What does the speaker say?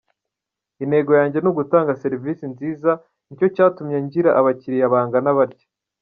Intego yanjye ni ugutanga serivisi nziza, ni cyo cyatumye ngira abakiliya bangana batya.